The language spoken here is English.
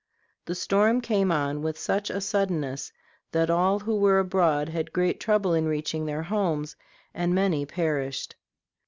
The storm came on with such suddenness that all who were abroad had great trouble in reaching their homes, and many perished.